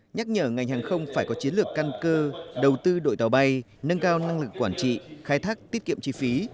nhắc nhở ngành hàng không phải có chiến lược căn cơ đầu tư đội tàu bay nâng cao năng lực quản trị khai thác tiết kiệm chi phí